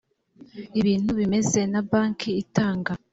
ibintu bimeze na banki itanga